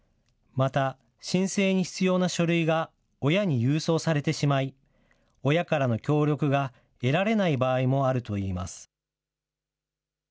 また申請に必要な書類が親に郵送されてしまい、親からの協力が得られない場合もあるといいます。